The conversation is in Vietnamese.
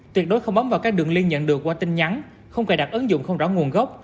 tuyệt đối không bấm vào các đường liên nhận được qua tin nhắn không cài đặt ứng dụng không rõ nguồn gốc